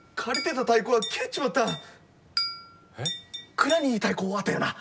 蔵に太鼓あったよな！？